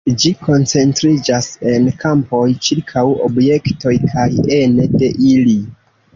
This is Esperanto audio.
Ĝi koncentriĝas en kampoj ĉirkaŭ objektoj kaj ene de ili.